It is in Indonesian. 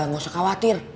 gak usah khawatir